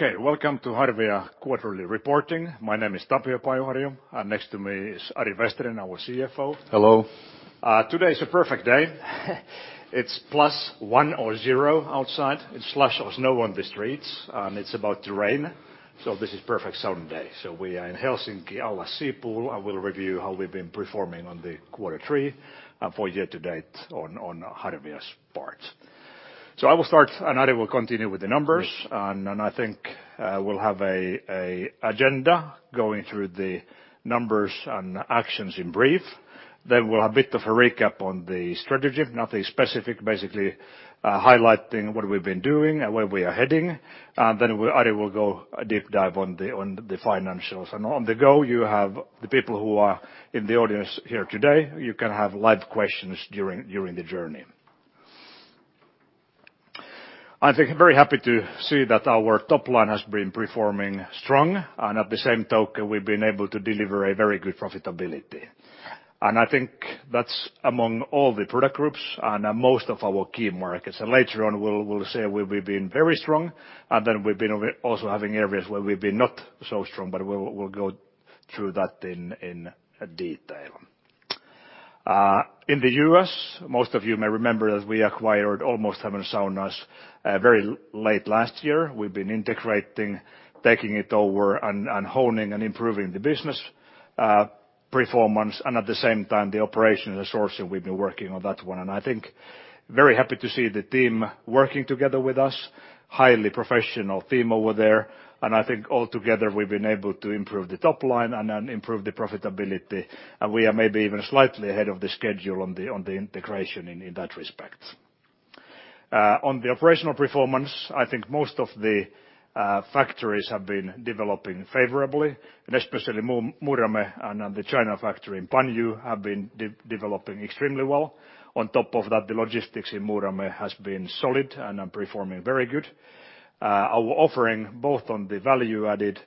Welcome to Harvia quarterly reporting. My name is Tapio Pajuharju, and next to me is Ari Vesterinen, our CFO. Hello. Today is a perfect day. It's plus one or zero outside. It's slush or snow on the streets, and it's about to rain, so this is perfect sauna day. We are in Helsinki, Allas Sea Pool, and we'll review how we've been performing on the quarter three and for year-to-date on Harvia's part. I will start, and Ari will continue with the numbers. Yes. I think we'll have an agenda going through the numbers and actions in brief. We'll have bit of a recap on the strategy, nothing specific. Basically, highlighting what we've been doing and where we are heading. Ari will go a deep dive on the financials. On the go, you have the people who are in the audience here today, you can have live questions during the journey. I'm very happy to see that our top line has been performing strong, and by the same token, we've been able to deliver a very good profitability. I think that's among all the product groups and most of our key markets. Later on, we'll say where we've been very strong, and then we've been also having areas where we've been not so strong, but we'll go through that in detail. In the U.S., most of you may remember that we acquired Almost Heaven Saunas very late last year. We've been integrating, taking it over, and honing and improving the business performance, and at the same time, the operation and the sourcing, we've been working on that one. I think, very happy to see the team working together with us. Highly professional team over there. I think altogether, we've been able to improve the top line and improve the profitability, and we are maybe even slightly ahead of the schedule on the integration in that respect. On the operational performance, I think most of the factories have been developing favorably, and especially Muurame and the China factory in Panyu have been developing extremely well. On top of that, the logistics in Muurame has been solid and are performing very good. Our offering, both on the value-added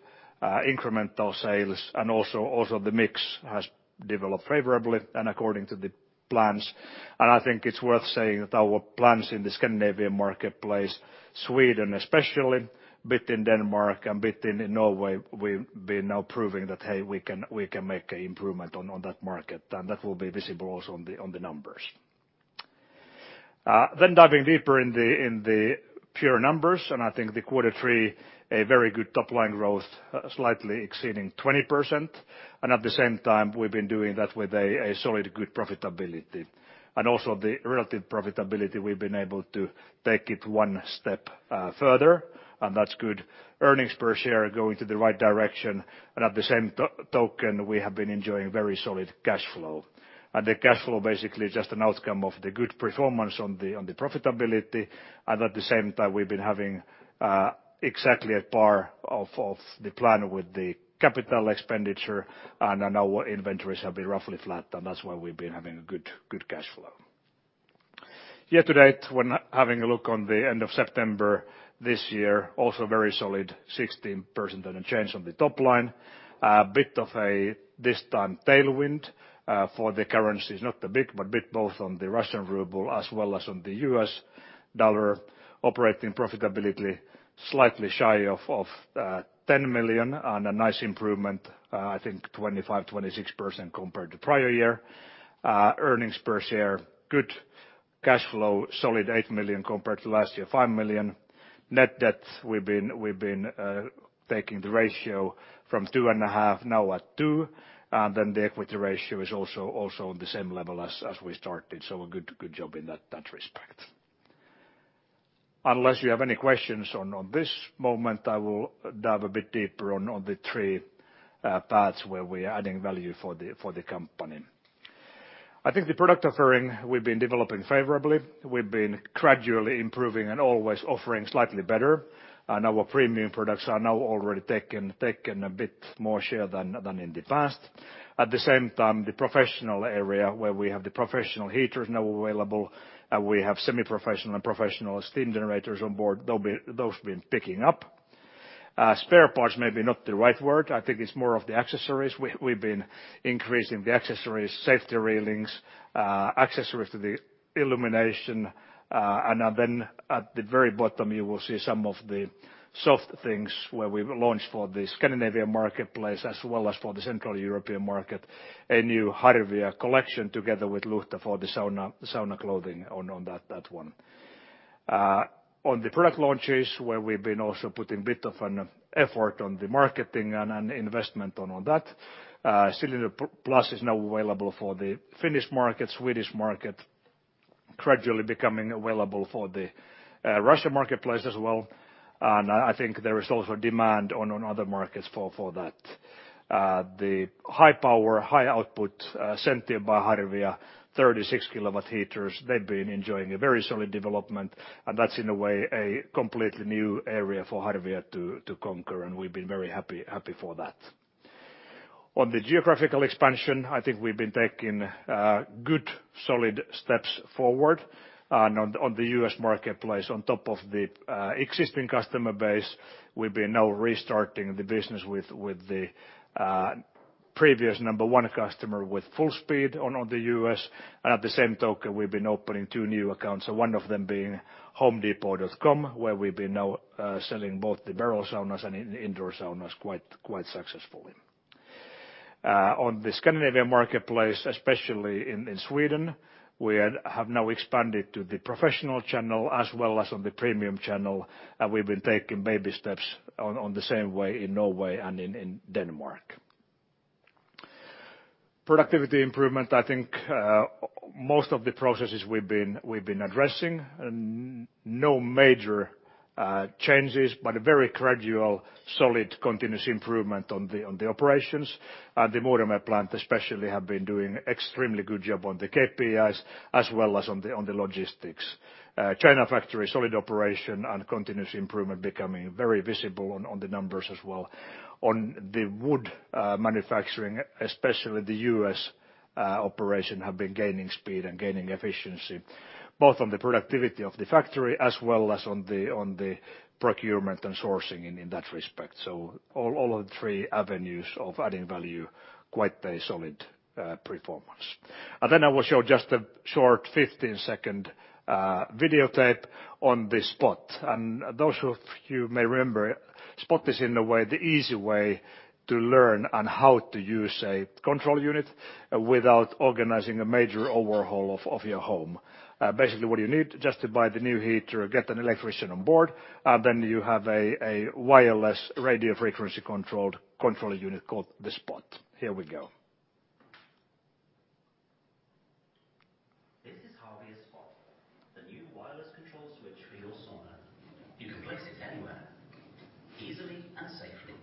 incremental sales and also the mix has developed favorably and according to the plans. I think it's worth saying that our plans in the Scandinavian marketplace, Sweden especially, bit in Denmark and bit in Norway, we've been now proving that, hey, we can make a improvement on that market. That will be visible also on the numbers. Diving deeper in the pure numbers, I think the quarter three, a very good top line growth, slightly exceeding 20%. At the same time, we've been doing that with a solid, good profitability. Also the relative profitability, we've been able to take it one step further, and that's good. Earnings per share are going to the right direction, at the same token, we have been enjoying very solid cash flow. The cash flow basically is just an outcome of the good performance on the profitability, and at the same time, we've been having exactly at par of the plan with the capital expenditure, and our inventories have been roughly flat. That's why we've been having a good cash flow. Year to date, when having a look on the end of September this year, also very solid 16% change on the top line. A bit of a, this time, tailwind for the currencies, not that big, but bit both on the Russian ruble as well as on the U.S. dollar. Operating profitability, slightly shy of 10 million, and a nice improvement of, I think, 25%, 26% compared to prior year. Earnings per share, good. Cash flow, solid 8 million compared to last year, 5 million. Net debt, we've been taking the ratio from 2.5, now at 2. The equity ratio is also on the same level as we started, so a good job in that respect. Unless you have any questions on this moment, I will dive a bit deeper on the three parts where we are adding value for the company. I think the product offering, we've been developing favorably. We've been gradually improving and always offering slightly better, and our premium products are now already taking a bit more share than in the past. At the same time, the professional area where we have the professional heaters now available, and we have semi-professional and professional steam generators on board. Those have been picking up. Spare parts may be not the right word. I think it's more of the accessories. We've been increasing the accessories, safety railings, accessories to the illumination. Then at the very bottom, you will see some of the soft things where we've launched for the Scandinavian marketplace as well as for the Central European market, a new Harvia collection together with Luhta for the sauna clothing on that one. On the product launches, where we've been also putting a bit of an effort on the marketing and investment on all that. Cilindro Plus is now available for the Finnish market, Swedish market, gradually becoming available for the Russia marketplace as well. I think there is also a demand on other markets for that. The high power, high output Sentio by Harvia, 36 kW heaters, they've been enjoying a very solid development, and that's, in a way, a completely new area for Harvia to conquer, and we've been very happy for that. On the geographical expansion, I think we've been taking good, solid steps forward on the U.S. marketplace. On top of the existing customer base, we've been now restarting the business with the Previous number one customer with full speed on the U.S. At the same token, we've been opening two new accounts, one of them being homedepot.com, where we've been now selling both the barrel saunas and indoor saunas quite successfully. On the Scandinavian marketplace, especially in Sweden, we have now expanded to the professional channel as well as on the premium channel, and we've been taking baby steps on the same way in Norway and in Denmark. Productivity improvement, I think most of the processes we've been addressing, no major changes, but a very gradual, solid, continuous improvement on the operations. The Muurame plant especially have been doing extremely good job on the KPIs as well as on the logistics. China factory, solid operation and continuous improvement becoming very visible on the numbers as well. On the wood manufacturing, especially the U.S. operation have been gaining speed and gaining efficiency, both on the productivity of the factory as well as on the procurement and sourcing in that respect. All of the three avenues of adding value, quite a solid performance. I will show just a short 15-second videotape on the Spot. Those of you may remember, Spot is in a way the easy way to learn on how to use a control unit without organizing a major overhaul of your home. Basically what you need just to buy the new heater, get an electrician on board, then you have a wireless radio frequency controlled controller unit called the Spot. Here we go. This is Harvia's Spot, the new wireless control switch for your sauna. You can place it anywhere, easily and safely,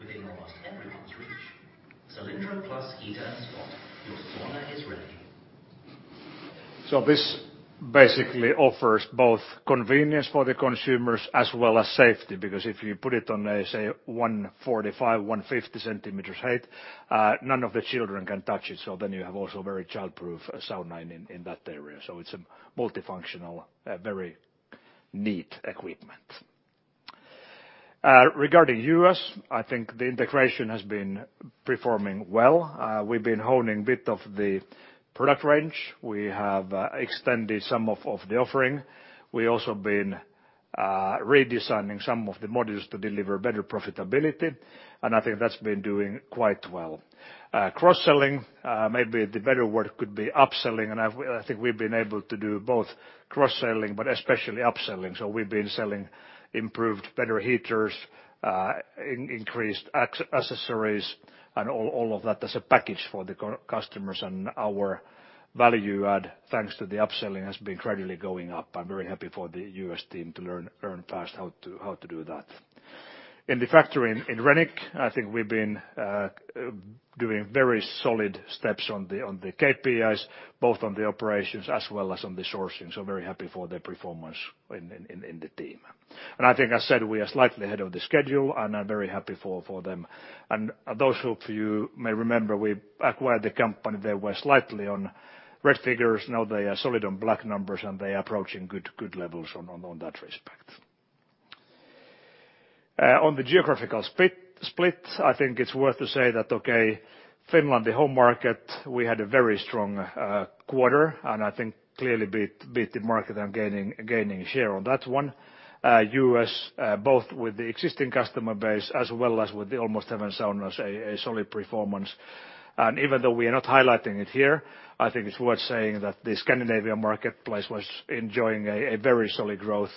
within almost everyone's reach. Cilindro Plus heater and Spot, your sauna is ready. This basically offers both convenience for the consumers as well as safety, because if you put it on a, say, 145, 150 cm height, none of the children can touch it. You have also very childproof sauna in that area. It's a multifunctional, very neat equipment. Regarding U.S., I think the integration has been performing well. We've been honing a bit of the product range. We have extended some of the offering. We also been redesigning some of the modules to deliver better profitability, and I think that's been doing quite well. Cross-selling, maybe the better word could be upselling, and I think we've been able to do both cross-selling but especially upselling. We've been selling improved better heaters, increased accessories, and all of that as a package for the customers. Our value add, thanks to the upselling, has been gradually going up. I'm very happy for the U.S. team to learn fast how to do that. In the factory in Renick, I think we've been doing very solid steps on the KPIs, both on the operations as well as on the sourcing. Very happy for the performance in the team. I think I said we are slightly ahead of the schedule, and I'm very happy for them. Those of you may remember, we acquired the company, they were slightly on red figures. Now they are solid on black numbers, and they are approaching good levels on that respect. On the geographical split, I think it's worth to say that, okay, Finland, the home market, we had a very strong quarter, and I think clearly beat the market and gaining share on that one. U.S., both with the existing customer base as well as with the Almost Heaven Saunas, a solid performance. Even though we are not highlighting it here, I think it's worth saying that the Scandinavian marketplace was enjoying a very solid growth.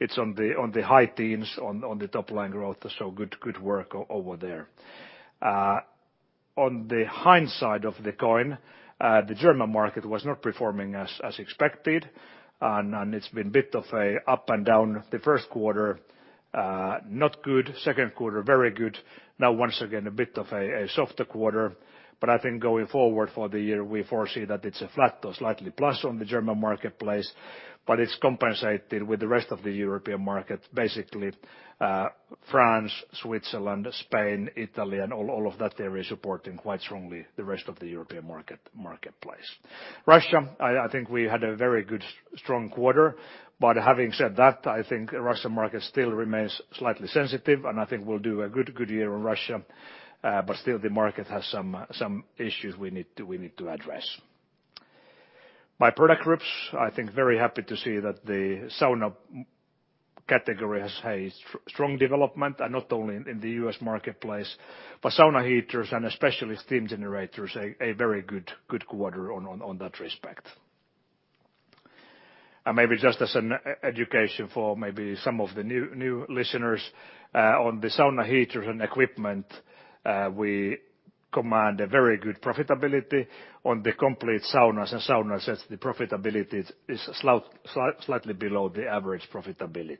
It's on the high teens on the top-line growth, so good work over there. On the hind side of the coin, the German market was not performing as expected, and it's been bit of a up and down. The first quarter, not good. Second quarter, very good. Now once again, a bit of a softer quarter. I think going forward for the year, we foresee that it's a flat to slightly plus on the German marketplace, but it's compensated with the rest of the European market, basically France, Switzerland, Spain, Italy, and all of that area supporting quite strongly the rest of the European marketplace. Russia, I think we had a very good, strong quarter. Having said that, I think Russia market still remains slightly sensitive, and I think we'll do a good year in Russia, but still the market has some issues we need to address. By product groups, I think very happy to see that the sauna category has a strong development, not only in the U.S. marketplace, but sauna heaters and especially steam generators, a very good quarter on that respect. Maybe just as an education for maybe some of the new listeners on the sauna heaters and equipment, we command a very good profitability. On the complete saunas and sauna accessories, the profitability is slightly below the average profitability.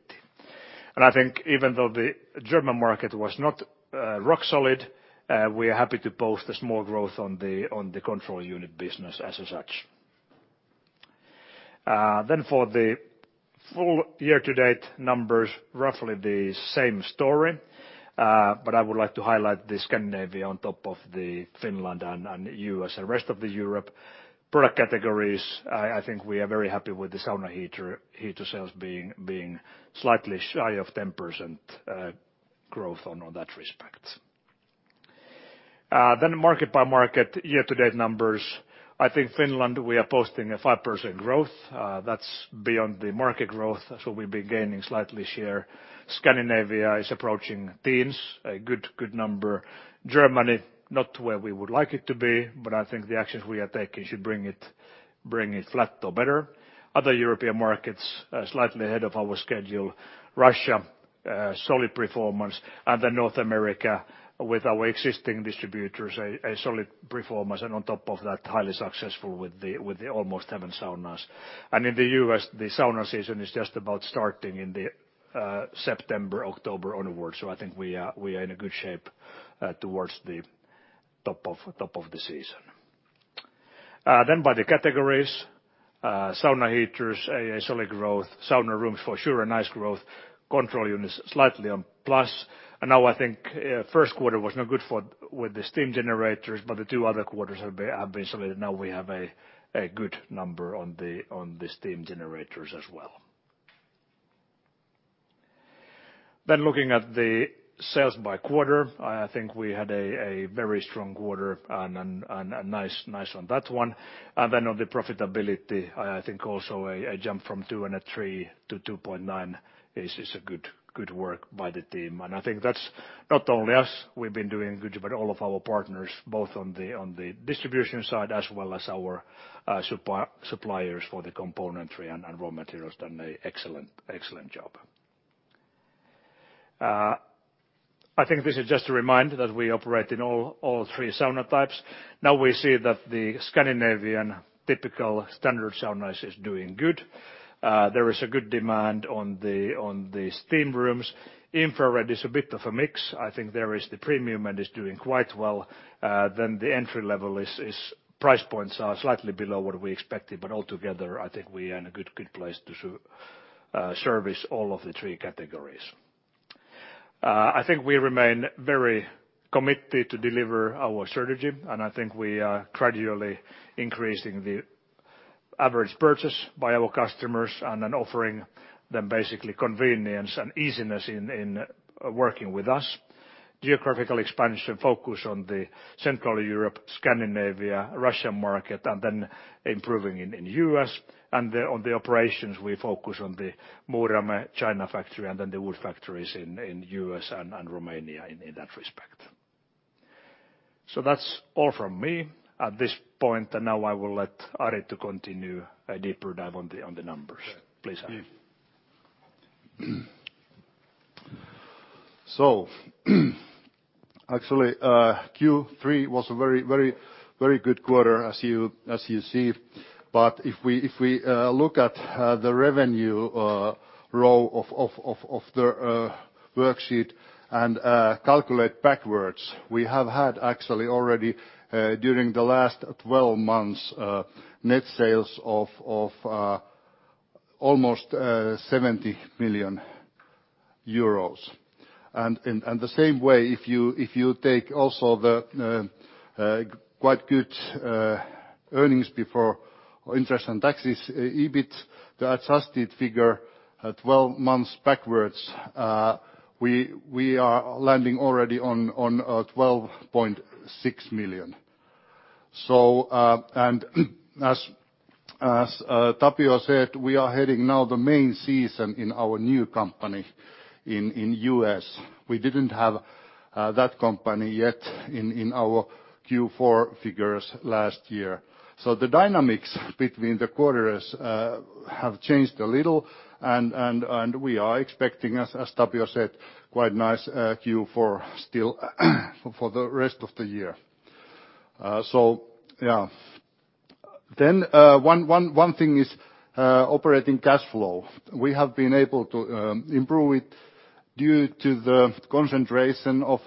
I think even though the German market was not rock solid, we are happy to post a small growth on the control unit business as such. For the full year to date numbers, roughly the same story, but I would like to highlight the Scandinavia on top of the Finland and U.S. and rest of the Europe. Product categories. I think we are very happy with the sauna heater sales being slightly shy of 10% growth on that respect. Market-by-market year-to-date numbers. I think Finland, we are posting a 5% growth. That's beyond the market growth, we'll be gaining slightly share. Scandinavia is approaching teens, a good number. Germany, not where we would like it to be, I think the actions we are taking should bring it flat or better. Other European markets, slightly ahead of our schedule. Russia, solid performance. North America with our existing distributors, a solid performance, and on top of that, highly successful with the Almost Heaven Saunas. In the U.S., the sauna season is just about starting in the September, October onwards. I think we are in a good shape towards the top of the season. By the categories, sauna heaters, a solid growth. Sauna rooms for sure, a nice growth. Control units slightly on plus. Now I think first quarter was not good with the steam generators, but the two other quarters have been solid. Now we have a good number on the steam generators as well. Looking at the sales by quarter, I think we had a very strong quarter and nice on that one. On the profitability, I think also a jump from 2.3% to 2.9% is a good work by the team. I think that's not only us, we've been doing good, but all of our partners, both on the distribution side, as well as our suppliers for the componentry and raw materials, done an excellent job. I think this is just a reminder that we operate in all 3 sauna types. We see that the Scandinavian typical standard saunas is doing good. There is a good demand on the steam rooms. Infrared is a bit of a mix. I think there is the premium and it's doing quite well. The entry level is price points are slightly below what we expected. Altogether, I think we are in a good place to service all of the 3 categories. I think we remain very committed to deliver our strategy. I think we are gradually increasing the average purchase by our customers and then offering them basically convenience and easiness in working with us. Geographical expansion focus on the Central Europe, Scandinavia, Russia market, then improving in U.S. On the operations, we focus on the Muurame China factory then the wood factories in U.S. and Romania in that respect. That's all from me at this point. Now I will let Ari to continue a deeper dive on the numbers. Please, Ari. Actually, Q3 was a very good quarter as you see. If we look at the revenue row of the worksheet and calculate backwards, we have had actually already, during the last 12 months, net sales of almost EUR 70 million. The same way, if you take also the quite good earnings before interest and taxes, EBIT, the adjusted figure 12 months backwards, we are landing already on 12.6 million. As Tapio said, we are heading now the main season in our new company in U.S. We didn't have that company yet in our Q4 figures last year. The dynamics between the quarters have changed a little, and we are expecting as Tapio said, quite nice Q4 still for the rest of the year. Yeah. One thing is operating cash flow. We have been able to improve it due to the concentration of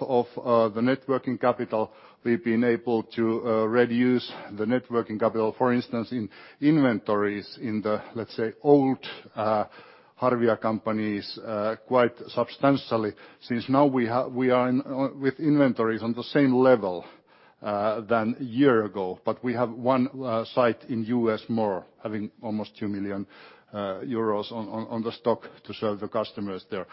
the net working capital. We've been able to reduce the net working capital, for instance, in inventories in the, let's say, old Harvia companies, quite substantially, since now we are with inventories on the same level, than a year ago. We have one site in U.S. more, having almost 2 million euros on the stock to sell the customers there.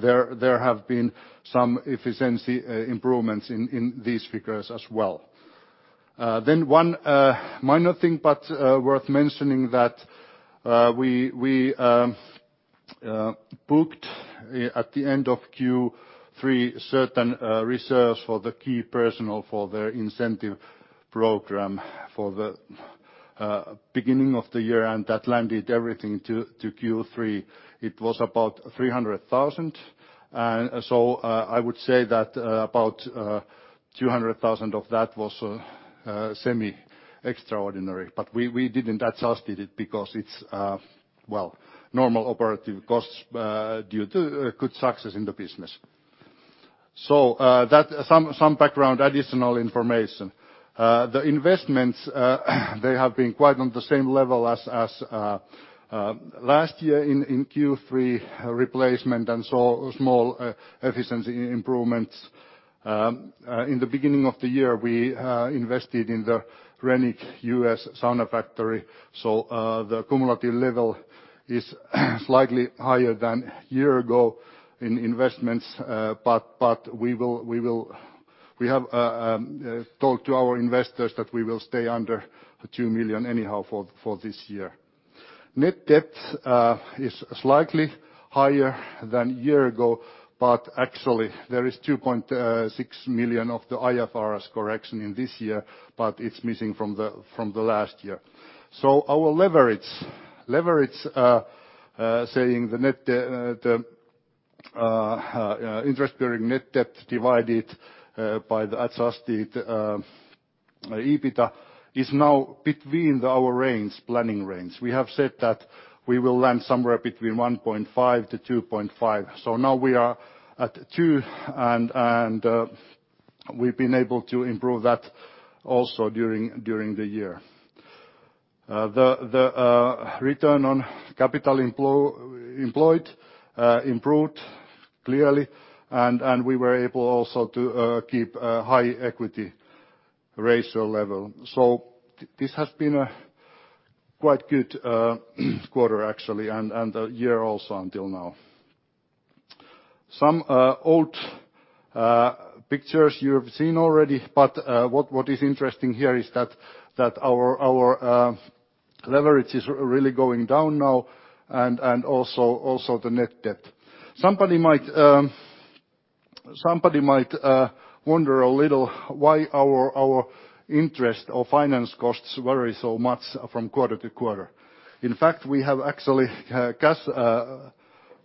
There have been some efficiency improvements in these figures as well. One minor thing but worth mentioning that we booked at the end of Q3 certain reserves for the key personnel for their incentive program for the beginning of the year, and that landed everything to Q3. It was about 300,000. I would say that about 200,000 of that was semi-extraordinary. We didn't adjust it because it's normal operative costs due to good success in the business. Some background additional information. The investments, they have been quite on the same level as last year in Q3 replacement and small efficiency improvements. In the beginning of the year, we invested in the Renick U.S. sauna factory. The cumulative level is slightly higher than year ago in investments, but we have talked to our investors that we will stay under 2 million anyhow for this year. Net debt is slightly higher than a year ago, but actually there is 2.6 million of the IFRS correction in this year, but it's missing from the last year. Our leverage, saying the interest bearing net debt divided by the adjusted EBITDA, is now between our planning range. We have said that we will land somewhere between 1.5-2.5. Now we are at two, and we've been able to improve that also during the year. The return on capital employed improved clearly, and we were able also to keep a high equity ratio level. This has been a quite good quarter actually, and the year also until now. Some old pictures you've seen already, what is interesting here is that our leverage is really going down now, and also the net debt. Somebody might wonder a little why our interest or finance costs vary so much from quarter to quarter. In fact, we have actually, cash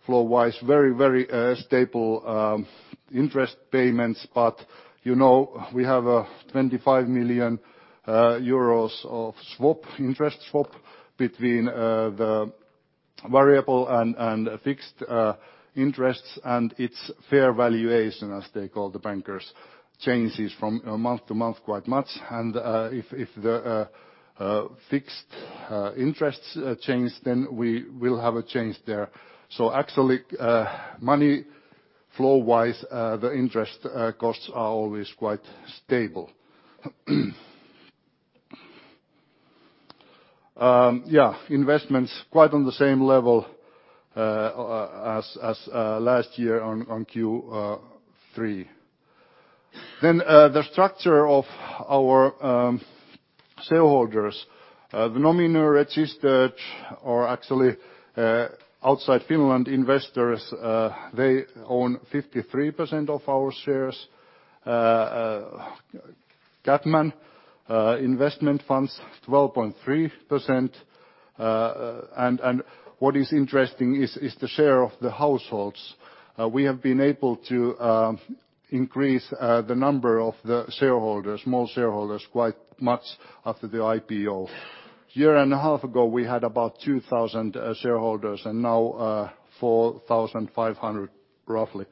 flow-wise, very stable interest payments. We have a 25 million euros of interest swap between the variable and fixed interests, and it's fair valuation, as they call the bankers, changes from month to month quite much. If the fixed interests change, then we will have a change there. Actually, money flow-wise, the interest costs are always quite stable. Yeah. Investments quite on the same level as last year on Q3. The structure of our shareholders. The nominal registered or actually outside Finland investors, they own 53% of our shares. CapMan Investment Funds, 12.3%. What is interesting is the share of the households. We have been able to increase the number of the shareholders, small shareholders, quite much after the IPO. A year and a half ago, we had about 2,000 shareholders, and now 4,500 roughly.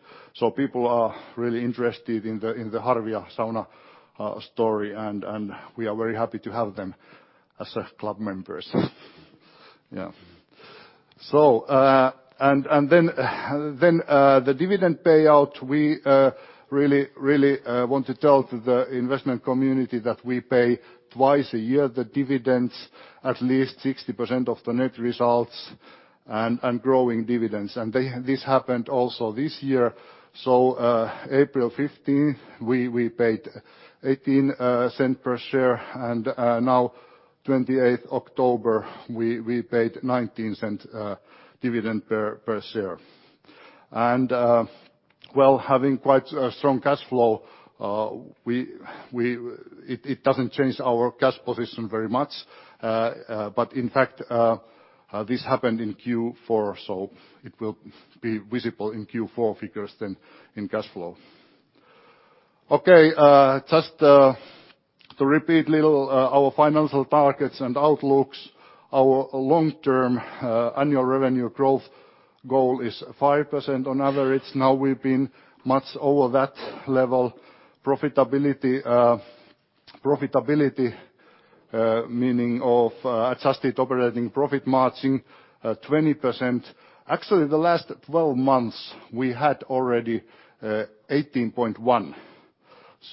People are really interested in the Harvia sauna story, and we are very happy to have them as club members. Yeah. The dividend payout, we really want to tell to the investment community that we pay twice a year the dividends, at least 60% of the net results and growing dividends. This happened also this year. April 15th, we paid 0.18 per share, and now 28th October, we paid 0.19 dividend per share. While having quite a strong cash flow, it doesn't change our cash position very much. In fact, this happened in Q4, so it will be visible in Q4 figures then in cash flow. Okay. Just to repeat a little, our financial targets and outlooks, our long-term annual revenue growth goal is 5% on average. Now we've been much over that level. Profitability, meaning of adjusted operating profit margin, 20%. Actually, the last 12 months, we had already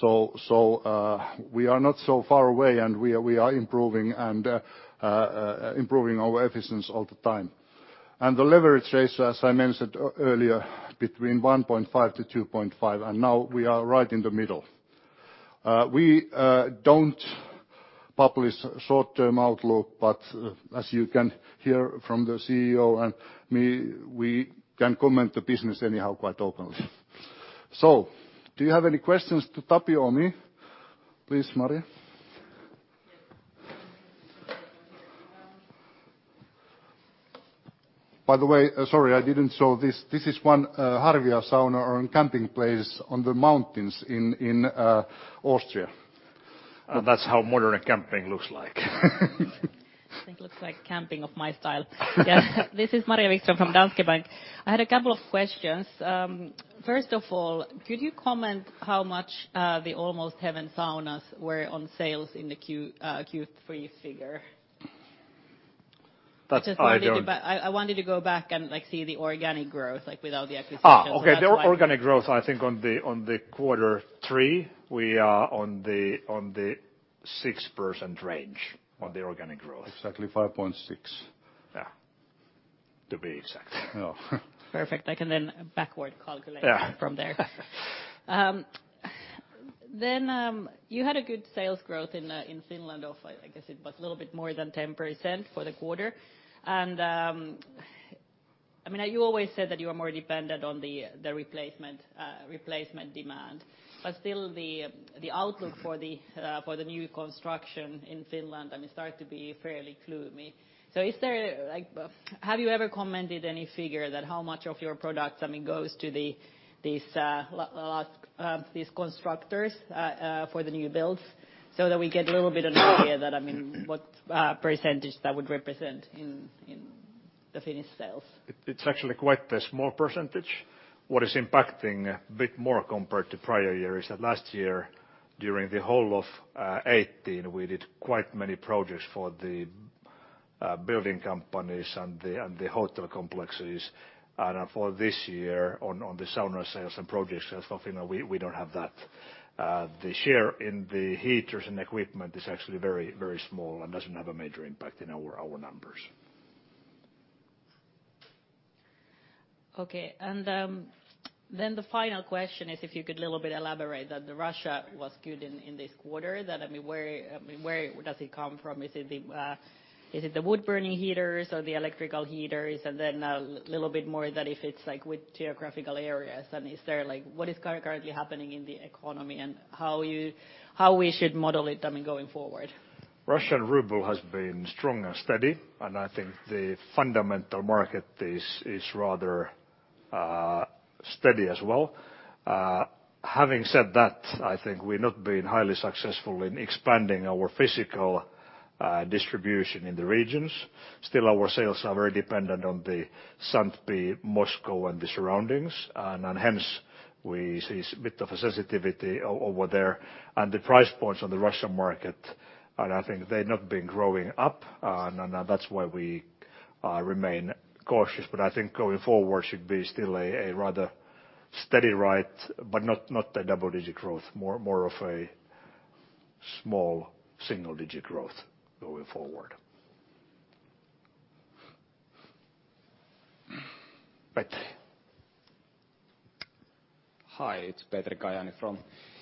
18.1%. We are not so far away, and we are improving our efficiency all the time. The leverage ratio, as I mentioned earlier, between 1.5-2.5, and now we are right in the middle. We don't publish short-term outlook, but as you can hear from the CEO and me, we can comment the business anyhow quite openly. Do you have any questions to Tapio or me? Please, Maria. Yes. Sorry, I didn't show this. This is one Harvia sauna or camping place on the mountains in Austria. That's how modern camping looks like. I think it looks like camping of my style. Yeah. This is Maria Wikström from Danske Bank. I had a couple of questions. First of all, could you comment how much the Almost Heaven Saunas were on sales in the Q3 figure? That's why I don't- I wanted to go back and see the organic growth, like with all the acquisitions. Okay. That's why- The organic growth, I think on the quarter three, we are on the 6% range on the organic growth. Exactly 5.6. Yeah. To be exact. Oh. Perfect. I can then backward calculate. Yeah from there. You had a good sales growth in Finland of, I guess it was little bit more than 10% for the quarter. You always said that you are more dependent on the replacement demand. Still the outlook for the new construction in Finland, it start to be fairly gloomy. Have you ever commented any figure that how much of your products, I mean, goes to these constructors for the new builds? That we get a little bit an idea, I mean, what percentage that would represent in the Finnish sales. It's actually quite a small percentage. What is impacting a bit more compared to prior year is that last year, during the whole of 2018, we did quite many projects for the building companies and the hotel complexes. For this year, on the sauna sales and projects and stuff, we don't have that. The share in the heaters and equipment is actually very small and doesn't have a major impact in our numbers. Okay. The final question is if you could a little bit elaborate that the Russia was good in this quarter. Where does it come from? Is it the wood-burning heaters or the electrical heaters? A little bit more that if it's with geographical areas, What is currently happening in the economy and how we should model it, I mean, going forward? Russian ruble has been strong and steady, and I think the fundamental market is rather steady as well. Having said that, I think we've not been highly successful in expanding our physical distribution in the regions. Still our sales are very dependent on the St. Pete, Moscow and the surroundings. Hence we see a bit of a sensitivity over there. The price points on the Russian market, and I think they've not been growing up, and that's why we remain cautious, but I think going forward should be still a rather steady ride, but not a double-digit growth. More of a small single-digit growth going forward. Petri. Hi, it's Petri Kajaani from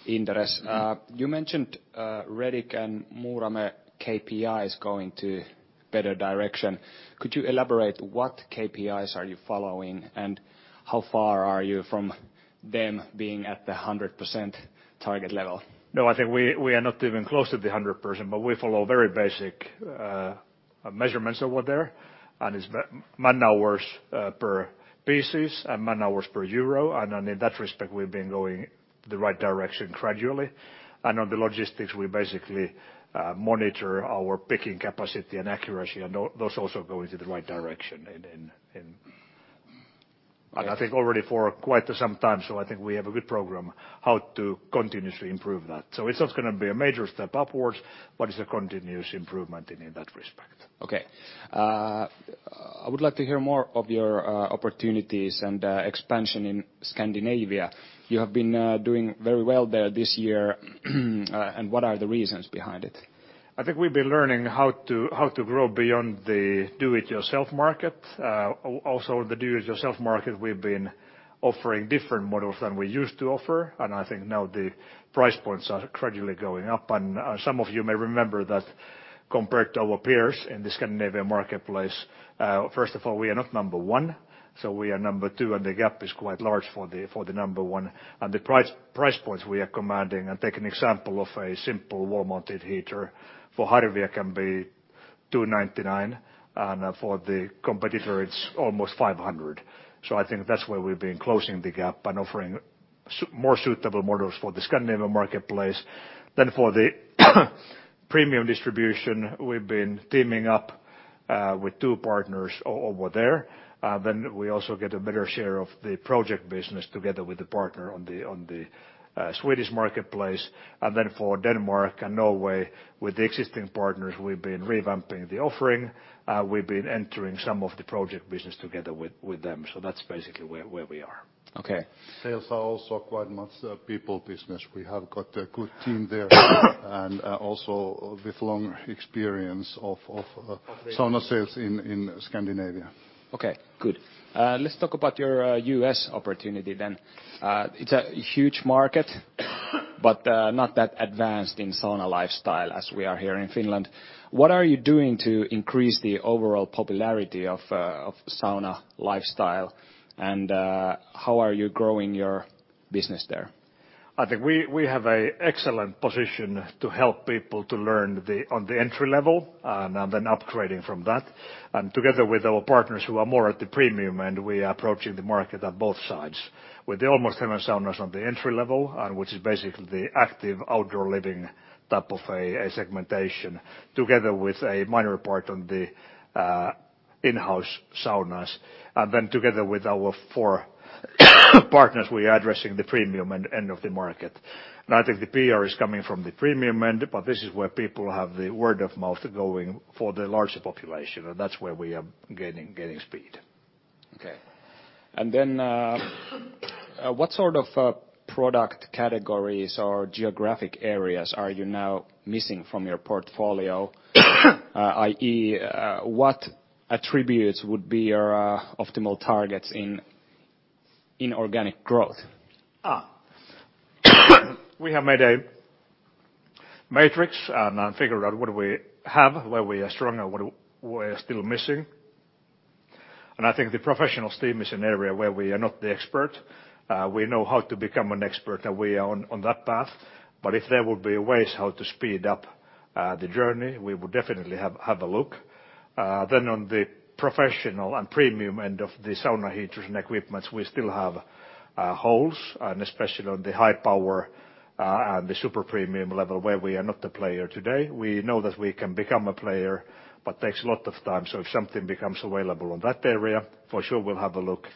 Inderes. You mentioned Renick and Muurame KPIs going to better direction. Could you elaborate what KPIs are you following and how far are you from them being at the 100% target level? I think we are not even close to the 100%, but we follow very basic measurements over there, and it's man-hours per pieces and man-hours per euro, and in that respect we've been going the right direction gradually. On the logistics we basically monitor our picking capacity and accuracy and those also going to the right direction and I think already for quite some time. I think we have a good program how to continuously improve that. It's not going to be a major step upwards, but it's a continuous improvement in that respect. Okay. I would like to hear more of your opportunities and expansion in Scandinavia. You have been doing very well there this year and what are the reasons behind it? I think we've been learning how to grow beyond the do it yourself market. The do it yourself market we've been offering different models than we used to offer, and I think now the price points are gradually going up. Some of you may remember that compared to our peers in the Scandinavia marketplace, first of all, we are not number one, so we are number two, and the gap is quite large for the number one. The price points we are commanding, and take an example of a simple wall-mounted heater for Harvia can be 299, and for the competitor it's almost 500. I think that's where we've been closing the gap and offering more suitable models for the Scandinavia marketplace. For the premium distribution we've been teaming up with two partners over there. We also get a better share of the project business together with the partner on the Swedish marketplace. For Denmark and Norway with the existing partners we've been revamping the offering. We've been entering some of the project business together with them. That's basically where we are. Okay. Sales are also quite much a people business. We have got a good team there and also with long experience of. Of the agency. sauna sales in Scandinavia. Okay, good. Let's talk about your U.S. opportunity then. It's a huge market, but not that advanced in sauna lifestyle as we are here in Finland. What are you doing to increase the overall popularity of sauna lifestyle and how are you growing your business there? I think we have a excellent position to help people to learn on the entry level and then upgrading from that. Together with our partners who are more at the premium and we are approaching the market at both sides. With the Almost Heaven Saunas on the entry level, and which is basically the active outdoor living type of a segmentation together with a minor part on the in-house saunas. Together with our four-partners, we are addressing the premium end of the market. I think the PR is coming from the premium end, but this is where people have the word of mouth going for the larger population, and that's where we are gaining speed. Okay. What sort of product categories or geographic areas are you now missing from your portfolio? i.e., what attributes would be your optimal targets in organic growth? We have made a matrix and figured out what do we have, where we are strong, and what we are still missing. I think the professional steam is an area where we are not the expert. We know how to become an expert, and we are on that path. If there would be ways how to speed up the journey, we would definitely have a look. On the professional and premium end of the sauna heaters and equipments, we still have holes, and especially on the high power and the super premium level where we are not a player today. We know that we can become a player, but takes a lot of time. If something becomes available on that area, for sure we'll have a look.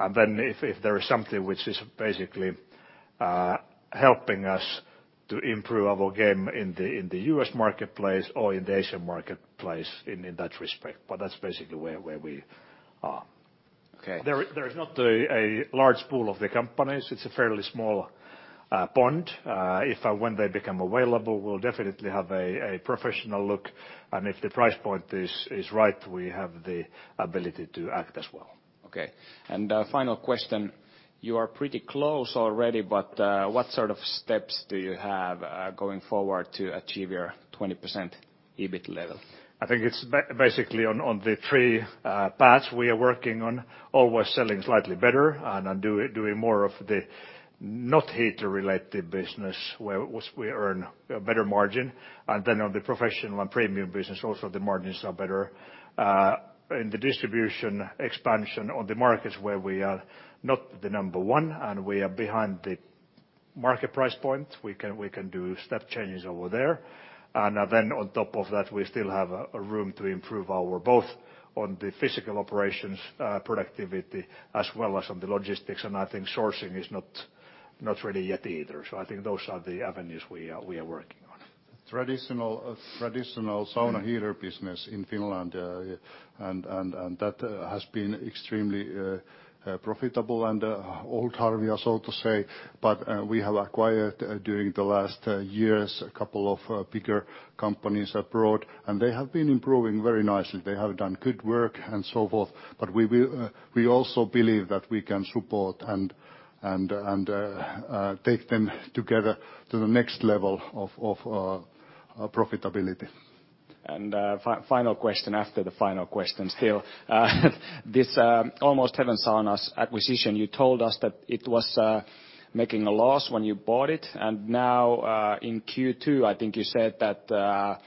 If there is something which is basically helping us to improve our game in the U.S. marketplace or in the Asian marketplace in that respect. That's basically where we are. Okay. There is not a large pool of the companies. It's a fairly small pond. If and when they become available, we'll definitely have a professional look, and if the price point is right, we have the ability to act as well. Okay. Final question. You are pretty close already, but what sort of steps do you have going forward to achieve your 20% EBIT level? I think it's basically on the three paths we are working on, always selling slightly better and doing more of the not heater-related business, where we earn a better margin. On the professional and premium business, also the margins are better. In the distribution expansion on the markets where we are not the number one and we are behind the market price point, we can do step changes over there. On top of that, we still have a room to improve our both on the physical operations productivity as well as on the logistics, and I think sourcing is not ready yet either. I think those are the avenues we are working on. Traditional sauna heater business in Finland, that has been extremely profitable and old Harvia, so to say. We have acquired during the last years a couple of bigger companies abroad, and they have been improving very nicely. They have done good work and so forth. We also believe that we can support and take them together to the next level of profitability. Final question after the final question still. This Almost Heaven Saunas acquisition, you told us that it was making a loss when you bought it, and now in Q2, I think you said that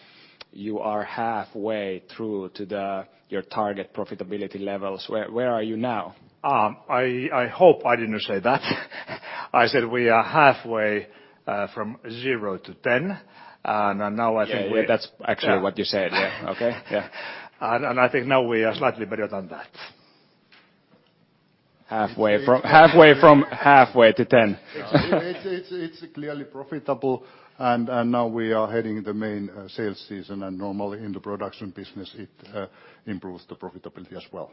you are halfway through to your target profitability levels. Where are you now? I hope I didn't say that. I said we are halfway from zero to 10, and now I think we're- Yeah, that's actually what you said. Yeah. Okay. Yeah. I think now we are slightly better than that. Halfway from halfway to 10. It's clearly profitable and now we are heading the main sales season and normally in the production business, it improves the profitability as well.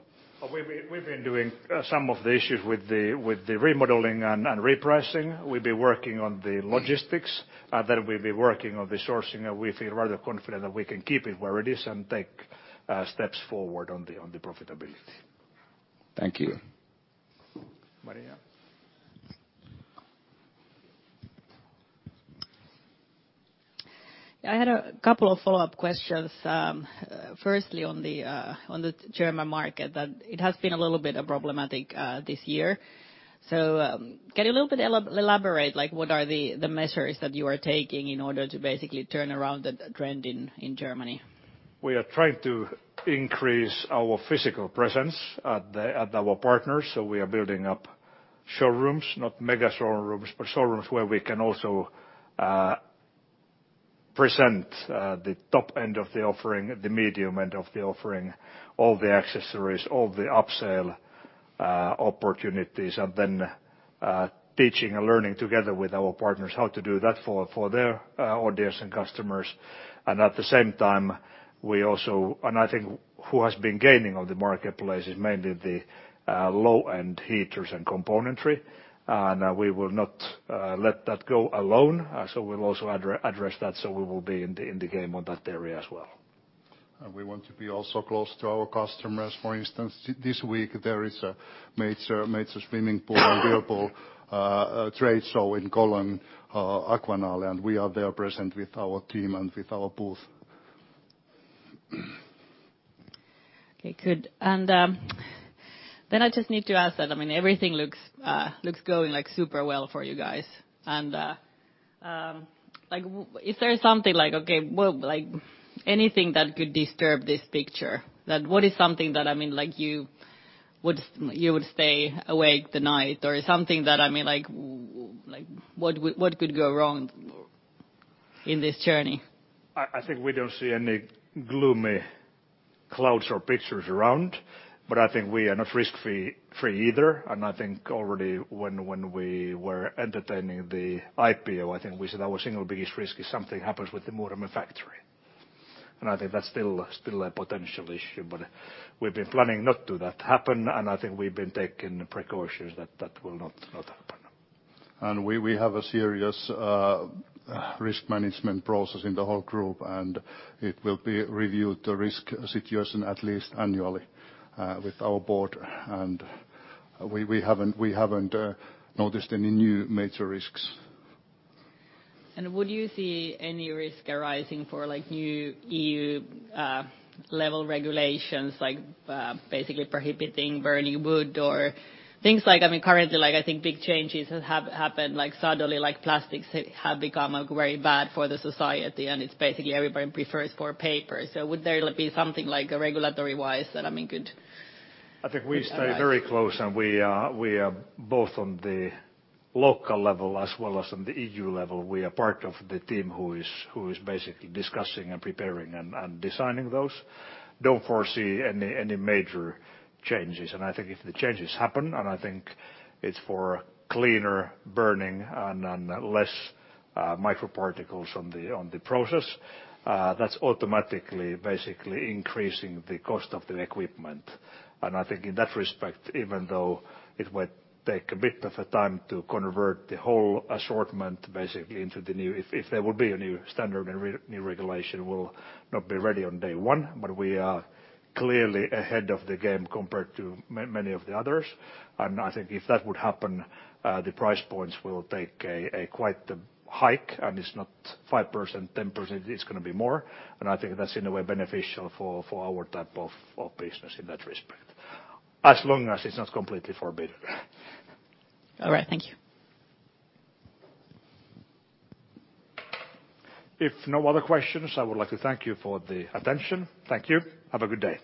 We've been doing some of the issues with the remodeling and repricing. We've been working on the logistics, then we've been working on the sourcing, and we feel rather confident that we can keep it where it is and take steps forward on the profitability. Thank you. Maria. Yeah, I had a couple of follow-up questions. Firstly, on the German market, that it has been a little bit problematic this year. Can you a little bit elaborate, like what are the measures that you are taking in order to basically turn around the trend in Germany? We are trying to increase our physical presence at our partners. We are building up showrooms, not mega showrooms, but showrooms where we can also present the top end of the offering, the medium end of the offering, all the accessories, all the up-sale opportunities, and then teaching and learning together with our partners how to do that for their audience and customers. At the same time, I think who has been gaining on the marketplace is mainly the low-end heaters and componentry. We will not let that go alone. We'll also address that, so we will be in the game on that area as well. We want to be also close to our customers. For instance, this week there is a major swimming pool and whirlpool trade show in Cologne, Aquanale, and we are there present with our team and with our booth. Okay, good. I just need to ask that everything looks going super well for you guys. Is there something like, okay, anything that could disturb this picture? What is something that you would stay awake the night or something that what could go wrong in this journey? I think we don't see any gloomy clouds or pictures around. I think we are not risk-free either. I think already when we were entertaining the IPO, I think we said our single biggest risk is something happens with the Muurame factory. I think that's still a potential issue, but we've been planning not to that happen, and I think we've been taking the precautions that that will not happen. We have a serious risk management process in the whole group, and it will be reviewed, the risk situation, at least annually with our board. We haven't noticed any new major risks. Would you see any risk arising for new EU level regulations, like basically prohibiting burning wood or things like? Currently, I think big changes have happened, suddenly plastics have become very bad for the society and it's basically everybody prefers for paper. Would there be something regulatory-wise that could arise? I think we stay very close. We are both on the local level as well as on the EU level. We are part of the team who is basically discussing and preparing and designing those. Don't foresee any major changes. I think if the changes happen, and I think it's for cleaner burning and less microparticles on the process, that's automatically basically increasing the cost of the equipment. I think in that respect, even though it would take a bit of a time to convert the whole assortment basically into the new If there will be a new standard, a new regulation, we'll not be ready on day one. We are clearly ahead of the game compared to many of the others. I think if that would happen, the price points will take a quite hike, and it's not 5%, 10%, it's going to be more. I think that's in a way beneficial for our type of business in that respect. As long as it's not completely forbidden. All right. Thank you. If no other questions, I would like to thank you for the attention. Thank you. Have a good day.